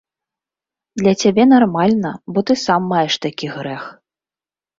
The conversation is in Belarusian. Для цябе нармальна, бо ты сам маеш такі грэх.